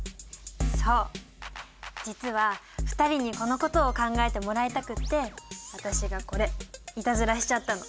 そう実は２人にこのことを考えてもらいたくって私がこれいたずらしちゃったの。